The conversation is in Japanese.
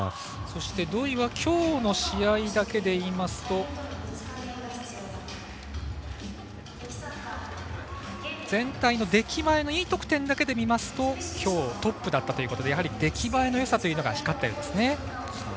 そして土井は今日の試合だけでいいますと全体の出来栄えのＥ得点だけで見ますと今日トップだったということでやはり出来栄えのよさというのが光ったようですね。